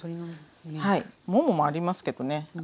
もももありますけどね